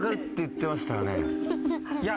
いや。